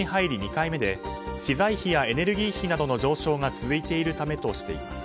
２回目で資材費やエネルギー費などの上昇が続いているためとしています。